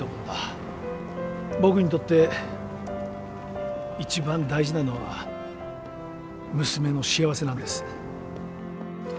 僕にとって一番大事なのは娘の幸せなんです。